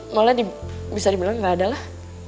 malah bisa dibilang nggak ada lah